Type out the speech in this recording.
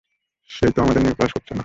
সে তো আমাদের নিয়ে উপহাস করছে না।